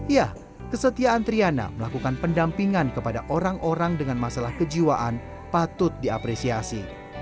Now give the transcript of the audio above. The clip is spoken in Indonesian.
ya kesetiaan triana melakukan pendampingan kepada orang orang dengan masalah kejiwaan patut diapresiasi